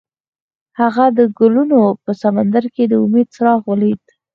هغه د ګلونه په سمندر کې د امید څراغ ولید.